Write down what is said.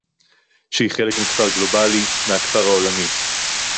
שהיא חלק מכפר גלובלי, מהכפר העולמי